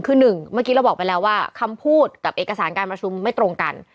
คือหนึ่งเมื่อกี้เราบอกไปแล้วว่าคำพูดกับเอกสารการประชุมไม่ตรงกัน